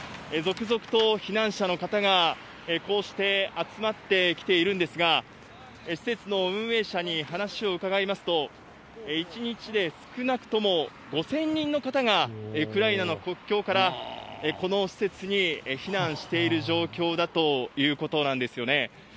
続々と避難者の方がこうして集まってきているんですが、施設の運営者に話を伺いますと、１日で少なくとも５０００人の方が、ウクライナの国境から、この施設に避難している状況だということなんですよね。